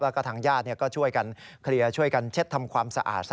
แล้วก็ทางญาติก็ช่วยกันเคลียร์ช่วยกันเช็ดทำความสะอาดซะ